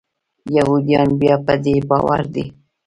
یهودیان بیا په دې باور دي.